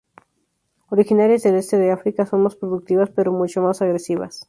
Originarias del este de África, son más productivas, pero mucho más agresivas.